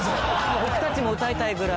僕たちも歌いたいぐらい。